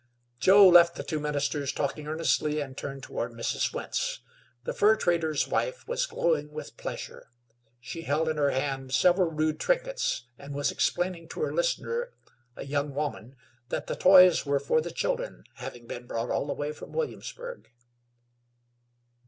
Joe left the two ministers talking earnestly and turned toward Mrs. Wentz. The fur trader's wife was glowing with pleasure. She held in her hand several rude trinkets, and was explaining to her listener, a young woman, that the toys were for the children, having been brought all the way from Williamsburg.